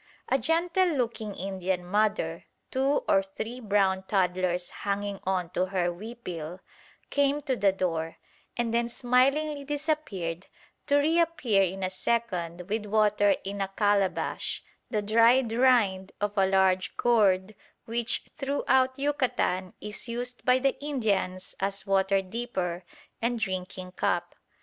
A gentle looking Indian mother, two or three brown toddlers hanging on to her huipil, came to the door, and then smilingly disappeared, to reappear in a second with water in a calabash, the dried rind of a large gourd which throughout Yucatan is used by the Indians as water dipper and drinking cup.